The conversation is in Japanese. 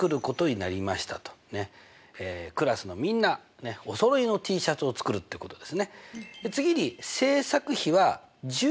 クラスのみんなおそろいのＴシャツを作るってことですね。